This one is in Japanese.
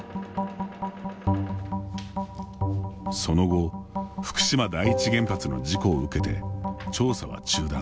その後、福島第一原発の事故を受けて調査は中断。